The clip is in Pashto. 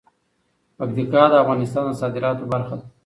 پکتیکا د افغانستان د صادراتو برخه ده.